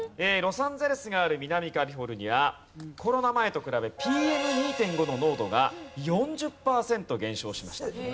ロサンゼルスがある南カリフォルニアコロナ前と比べＰＭ２．５の濃度が４０パーセント減少しました。